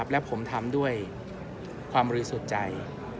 และผมทำด้วยความรีสุดใจ